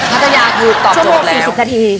ฮัตยายาคือตอบโจทย์แล้วชั่วโมง๔๐นาที